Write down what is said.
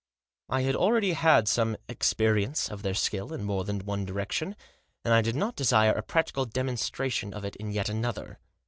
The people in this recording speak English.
I had already had some experience of their skill in more than one direction, and I did not desire a practical demonstration of it in yet another.